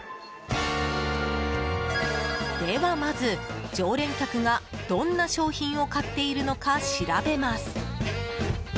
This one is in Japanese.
では、まず常連客がどんな商品を買っているのか調べます。